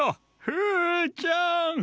フーちゃん！